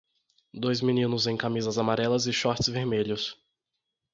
Dois meninos em camisas amarelas e shorts vermelhos.